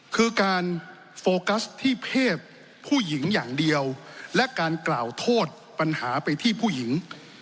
คือการโฟกัสที่เพศผู้หญิงอย่างเดียวและการกล่าวโทษปัญหาไปที่ผู้หญิง